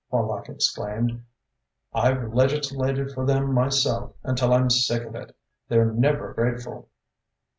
Horlock exclaimed. "I've legislated for them myself until I'm sick of it. They're never grateful."